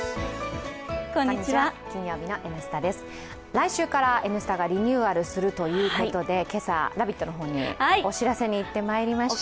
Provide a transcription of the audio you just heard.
来週から「Ｎスタ」がリニューアルするということで今朝、「ラヴィット！」の方にお知らせに行ってまいりました。